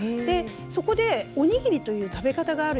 そこでおにぎりという文化がある。